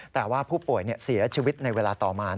แต่ว่าผู้ป่วยเสียชีวิตในเวลาต่อมา